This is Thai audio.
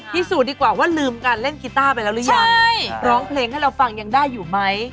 สูจนดีกว่าว่าลืมการเล่นกีต้าไปแล้วหรือยังร้องเพลงให้เราฟังยังได้อยู่ไหม